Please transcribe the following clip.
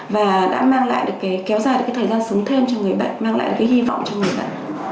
và đã mang lại được cái kéo dài được cái thời gian sống thêm cho người bệnh mang lại được cái hy vọng cho người bệnh